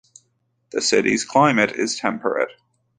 The city's climate is temperate.